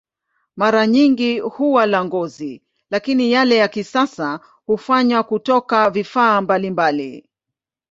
Mara nyingi huwa la ngozi, lakini yale ya kisasa hufanywa kutoka kwa vifaa mbalimbali.